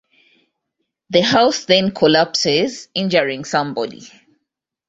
The house then collapses, injuring somebody.